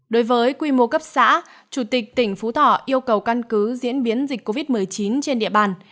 đối với quy mô cấp xã chủ tịch tỉnh phú thọ yêu cầu căn cứ diễn biến dịch covid một mươi chín trên địa bàn